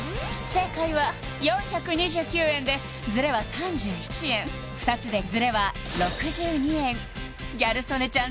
正解は４２９円でズレは３１円２つでズレは６２円ギャル曽根ちゃん